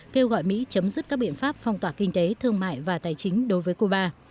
kêu gọi mỹ chấm dứt các biện pháp phong tỏa kinh tế thương mại và tài chính đối với cuba